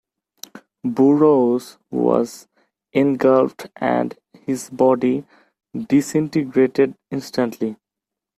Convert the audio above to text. Burroughs was engulfed and his body disintegrated instantly.